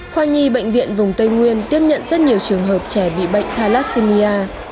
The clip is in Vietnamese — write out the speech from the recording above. khoa nhi bệnh viện vùng tây nguyên tiếp nhận rất nhiều trường hợp trẻ bị bệnh halassimia